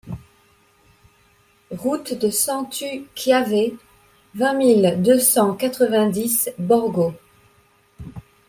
Route de Centu Chiave, vingt mille deux cent quatre-vingt-dix Borgo